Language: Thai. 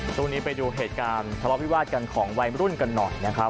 ช่วงนี้ไปดูเหตุการณ์ทะเลาะวิวาสกันของวัยรุ่นกันหน่อยนะครับ